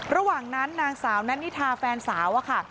ระหว่างนั้นนางสาวนัทนิทาแฟนสาวอะค่ะ